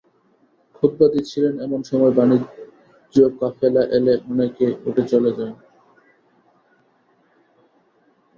খুতবা দিচ্ছিলেন, এমন সময় বাণিজ্য কাফেলা এলে অনেকে উঠে চলে যান।